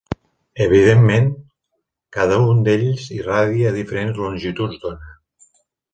Evidentment, cada un d'ells irradia a diferents longituds d'ona.